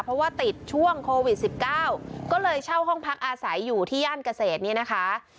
เพราะว่าติดช่วงโควิด๑๙ก็เลยเช่าห้องพักอาศัยอยู่ที่ย่านเกษตรเนี่ยนะคะ